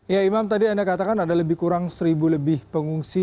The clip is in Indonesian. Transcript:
ya imam tadi anda katakan ada lebih kurang seribu lebih pengungsi